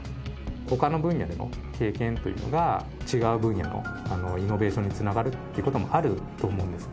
ほかの分野での経験というのが、違う分野のイノベーションにつながるってこともあると思うんです。